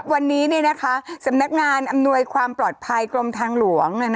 วันนี้สำนักงานอำนวยความปลอดภัยกรมทางหลวง